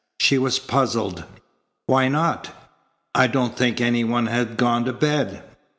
She was puzzled. "Why not? I don't think any one had gone to bed."